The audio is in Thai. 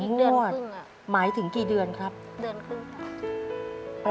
หมายถึงกี่เดือนครับเดือนครึ่งค่ะ